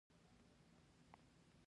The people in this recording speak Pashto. پښتو یوه ملي ژبه ده.